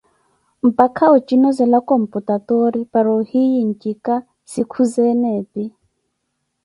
mpaka ojilozela computatoore, para ohiiye njika sikhuzeene epi.